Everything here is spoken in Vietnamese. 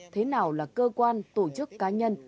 thế nào là cơ quan tổ chức cá nhân